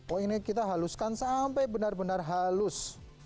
oh ini kita haluskan sampai benar benar halus